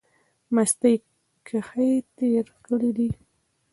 مستۍ کښې تېر کړی دی۔